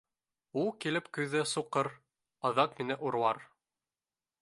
— Ул килеп күҙҙе суҡыр, аҙаҡ мине урлар.